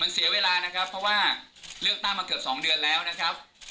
เสียเวลานะครับเพราะว่าเลือกตั้งมาเกือบ๒เดือนแล้วนะครับ